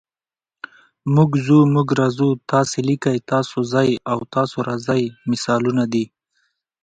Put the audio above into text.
موږ ځو، موږ راځو، تاسې لیکئ، تاسو ځئ او تاسو راځئ مثالونه دي.